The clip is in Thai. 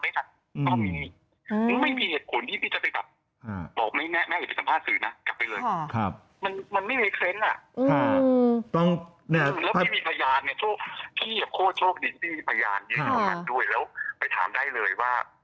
พี่มีกฎให้ตาแม่ขึ้นไหมกลับบ้านหรือเปล่า